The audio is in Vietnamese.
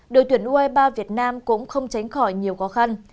đội tuyển u hai mươi ba việt nam cũng không tránh khỏi nhiều khó khăn